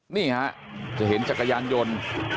นี่ฮะจะเห็นจักรยานยนต์